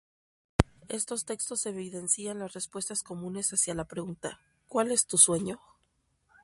Estos textos evidencian las respuestas comunes hacia la pregunta "¿cuál es tu sueño?